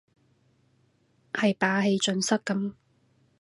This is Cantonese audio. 係霸氣盡失咁